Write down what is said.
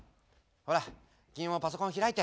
ほら君もパソコン開いて。